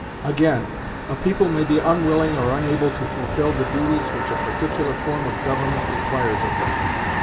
Again, a people may be unwilling or unable to fulfill the duties which a particular form of government requires of them.